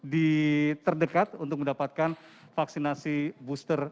di terdekat untuk mendapatkan vaksinasi booster